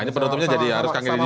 ini penutupnya jadi harus kaget juga